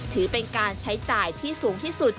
ถือเป็นการใช้จ่ายที่สูงที่สุด